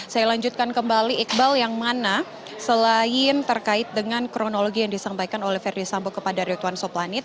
saya lanjutkan kembali iqbal yang mana selain terkait dengan kronologi yang disampaikan oleh ferdisambo kepada rituan soplanit